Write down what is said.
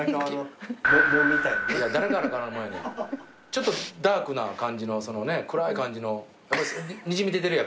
ちょっとダークな感じのそのね暗い感じのにじみ出てる？